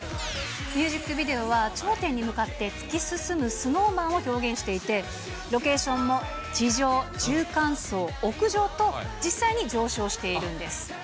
ミュージックビデオは頂点に向かって突き進むＳｎｏｗＭａｎを表現していて、ロケーションも地上、中間層、屋上と、実際に上昇しているんです。